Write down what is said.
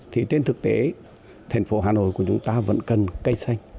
thì trên thực tế thành phố hà nội của chúng ta vẫn cần cây xanh